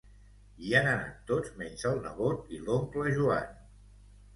Hi han anat tots menys el nebot i l'oncle Joan.